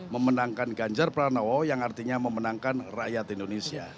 memenangkan ganjar pranowo yang artinya memenangkan rakyat indonesia